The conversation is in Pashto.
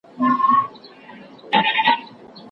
له سرچینو څخه سمه ګټه واخلئ.